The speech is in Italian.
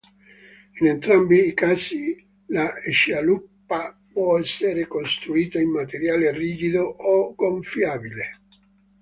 In entrambi i casi la scialuppa può essere costruita in materiale rigido o gonfiabile.